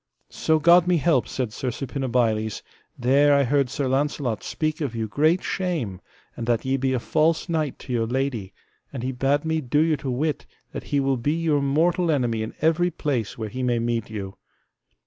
So God me help, said Sir Suppinabiles, there I heard Sir Launcelot speak of you great shame, and that ye be a false knight to your lady and he bade me do you to wit that he will be your mortal enemy in every place where he may meet you.